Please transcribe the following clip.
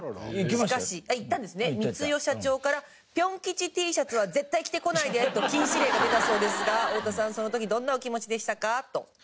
「しかし光代社長から“ピョン吉Ｔシャツは絶対着てこないで！”と禁止令が出たそうですが太田さんその時どんなお気持ちでしたか？」と。